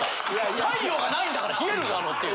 太陽がないんだから冷えるだろうっていう。